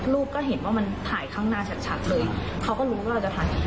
ก็เห็นว่ามันถ่ายข้างหน้าชัดชัดเลยเขาก็รู้ว่าเราจะถ่าย